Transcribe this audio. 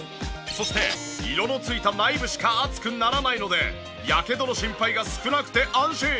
そして色の付いた内部しか熱くならないのでヤケドの心配が少なくて安心。